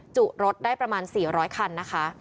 จุดรถได้ประมาณ๔๐๐คันนะคะ